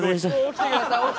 起きてください。